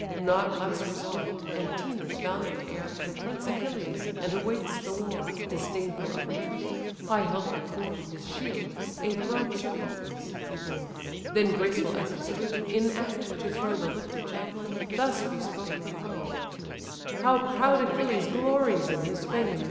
Not less resolved, Antenor's valiant heir Confronts Achilles, and awaits the war, Disdainful of retreat: high held before, His shield (a broad circumference) he bore; Then graceful as he stood, in act to throw The lifted javelin, thus bespoke the foe: "How proud Achilles glories in his fame!